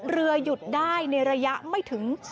เรือหยุดในระยะไม่ถึง